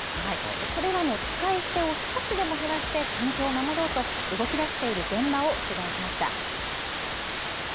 これらの使い捨てを少しでも減らして環境を守ろうと動きだしている現場を取材しました。